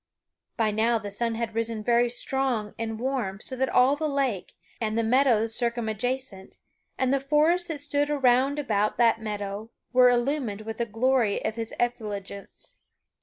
By now the sun had risen very strong and warm so that all the lake, and the meadows circumadjacent, and the forest that stood around about that meadow were illumined with the glory of his effulgence.